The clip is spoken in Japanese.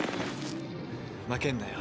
負けんなよ